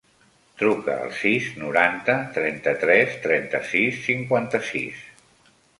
Truca al sis, noranta, trenta-tres, trenta-sis, cinquanta-sis.